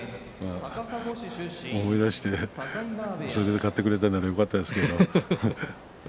思い出して、それで勝ってくれたらいいんですけどね。